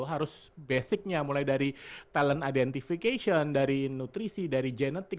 harus basicnya mulai dari talent identification dari nutrisi dari genetik